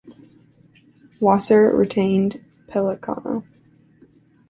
Wasser retained Pellicano.